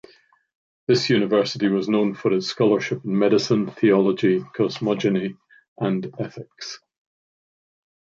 This university was known for its scholarship in medicine, theology, cosmogeny and ethics.